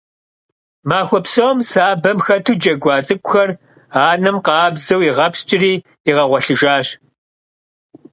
Махуэ псом сабэм хэту джэгуа цӏыкӏухэр анэм къабзэу игъэпскӏири игъэгъуэлъыжащ.